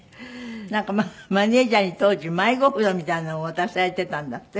なんかマネジャーに当時迷子札みたいなのを渡されてたんだって？